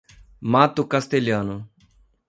Mato Castelhano